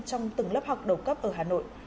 trong từng lớp học đầu cấp ở hà nội